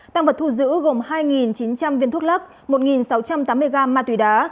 tăng vật thu giữ gồm hai chín trăm linh viên thuốc lắc một sáu trăm tám mươi gram ma túy đá